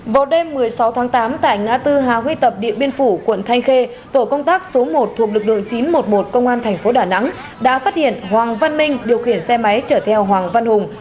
vào đêm một mươi sáu tháng tám tại ngã tư hà huy tập điện biên phủ quận thanh khê tổ công tác số một thuộc lực lượng chín trăm một mươi một công an tp đà nẵng đã phát hiện hoàng văn minh điều khiển xe máy chở theo hoàng văn hùng